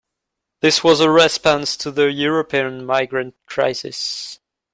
This was a response to the European migrant crisis.